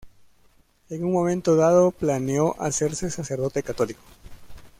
En un momento dado, planeó hacerse sacerdote católico.